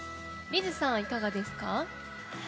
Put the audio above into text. リズさん、いかがですか？